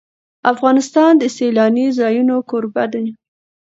افغانستان د سیلانی ځایونه کوربه دی.